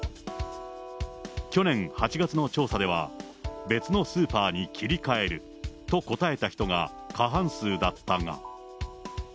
去年８月の調査では、別のスーパーに切り替えると答えた人が過半数だったが。